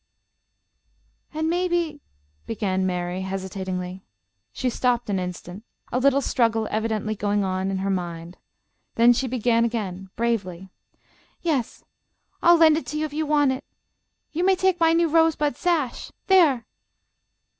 "And maybe " began Mary, hesitatingly. She stopped an instant, a little struggle evidently going on in her mind. Then she began again, bravely: "Yes, I'll lend it to you if you want it. You may take my new rosebud sash. There!"